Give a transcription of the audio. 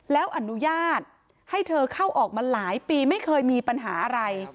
แล้วอนุญาตให้เธอเข้าออกมาหลายปีไม่เคยมีปัญหาอะไร